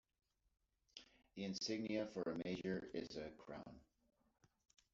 The insignia for a major is a crown.